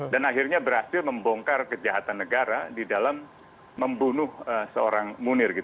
dan akhirnya berhasil membongkar kejahatan negara di dalam membunuh seorang munir